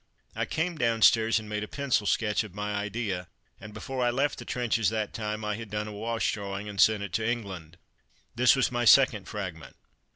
I came downstairs and made a pencil sketch of my idea, and before I left the trenches that time I had done a wash drawing and sent it to England. This was my second "Fragment."